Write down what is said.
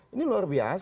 ini luar biasa